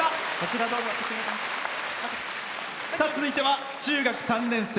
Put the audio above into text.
続いては中学３年生。